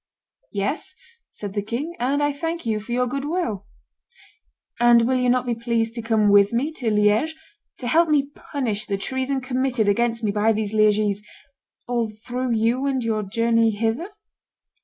"Yes," said the king, "and I thank you for your good will." "And will you not be pleased to come with me to Liege, to help me punish the treason committed against me by these Lidgese, all through you and your journey hither?